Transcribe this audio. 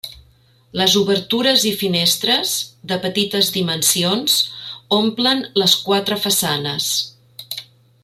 Les obertures i finestres, de petites dimensions, omplen les quatre façanes.